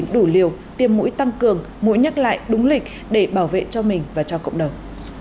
đủ liều tiêm mũi tăng cường mũi nhắc lại đúng lịch để bảo vệ cho mình và cho cộng đồng